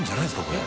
これ。